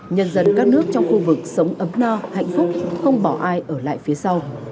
nhân dân các nước trong khu vực sống ấm no hạnh phúc không bỏ ai ở lại phía sau